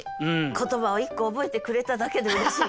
言葉を１個覚えてくれただけでうれしい。